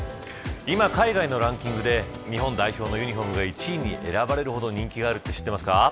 今、海外のランキングで日本代表のユニホームが１位に選ばれるほど人気があると知ってますか。